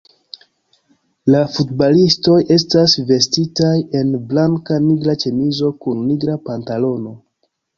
La futbalistoj estas vestitaj en blanka-nigra ĉemizo kun nigra pantalono.